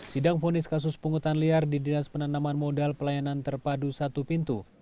sidang fonis kasus penghutan liar di dinas penanaman modal pelayanan terpadu satu pintu